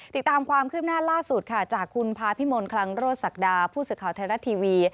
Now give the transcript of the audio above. ติดตามความคืบหน้าล่าสุดค่ะจากคุณพาพิมลคลังโรศักดาผู้สื่อข่าวไทยรัฐทีวี